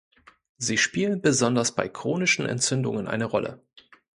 Sie spielen besonders bei chronischen Entzündungen eine Rolle.